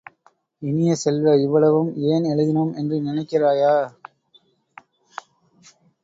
இனிய செல்வ, இவ்வளவும் ஏன் எழுதினோம் என்று நினைக்கிறாயா?